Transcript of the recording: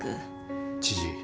知事。